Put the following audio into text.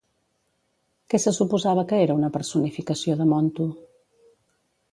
Què se suposava que era una personificació de Montu?